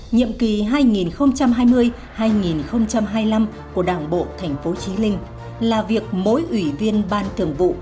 nhiệm kỳ hai nghìn hai mươi hai nghìn hai mươi năm của đảng bộ tp trí linh là việc mỗi ủy viên ban thường vụ